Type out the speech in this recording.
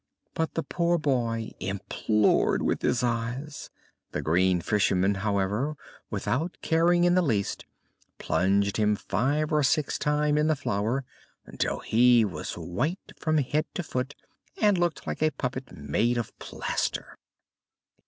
But the poor boy implored with his eyes! The green fisherman, however, without caring in the least, plunged him five or six times in the flour, until he was white from head to foot and looked like a puppet made of plaster.